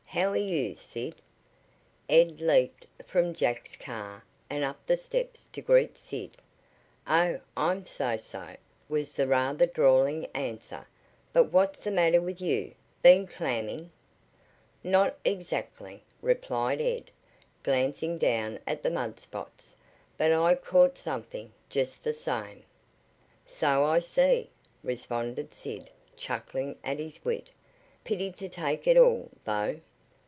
How are you, Sid?" Ed leaped from Jack's car and up the steps to greet Sid. "Oh, I'm so so," was the rather drawling answer. "But what's the matter with you? Been clamming?" "Not exactly," replied Ed, glancing down at the mud spots; "but I caught something, just the same." "So I see," responded Sid, chuckling at his wit. "Pity to take it all, though.